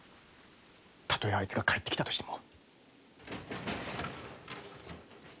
たとえあいつが帰ってきたとしても。